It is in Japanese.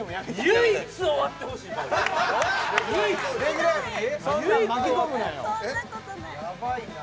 唯一終わってほしい番組！